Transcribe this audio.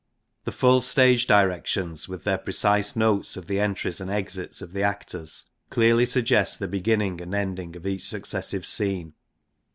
The full stage directions, with their precise notes of the entries and exits of the actors, clearly suggest the beginning and ending of each successive scene.